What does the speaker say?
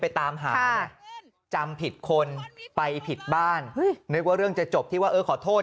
ไปตามหานะจำผิดคนไปผิดบ้านนึกว่าเรื่องจะจบที่ว่าเออขอโทษ